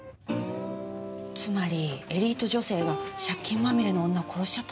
つまりエリート女性が借金まみれの女を殺しちゃったって事？